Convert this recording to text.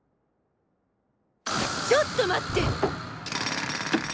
ちょっと待って！